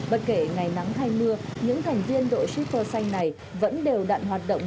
bất kể ngày nắng thay mưa những thành viên đội shipper xanh này vẫn đều đạn hoạt động